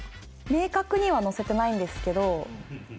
明確には載せてないんですけど。